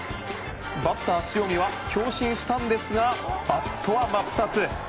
バッター塩見は強振したんですがバットは真っ二つ。